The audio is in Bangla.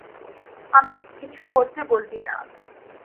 আমাকে কিছু করতে বলবি না!